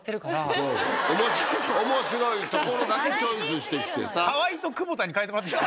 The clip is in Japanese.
面白いところだけチョイスしてきてさ。